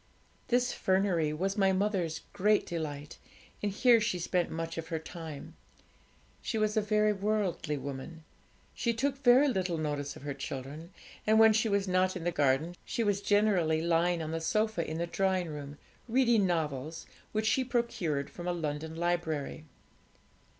This fernery was my mother's great delight, and here she spent much of her time. She was a very worldly woman; she took very little notice of her children; and when she was not in the garden, she was generally lying on the sofa in the drawing room, reading novels, which she procured from a London library.